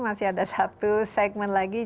masih ada satu segmen lagi